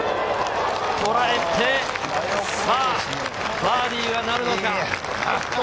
とらえて、バーディーはなるのか？